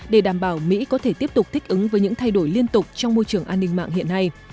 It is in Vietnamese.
để đảm bảo mỹ có thể tiếp tục thích ứng với những thay đổi liên tục trong môi trường an ninh mạng hiện nay